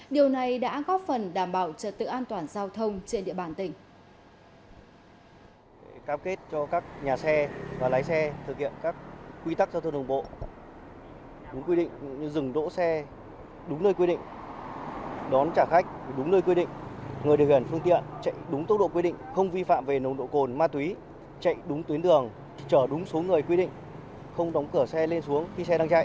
điều này đã có phần đảm bảo trật tự an toàn giao thông trên địa bàn tỉnh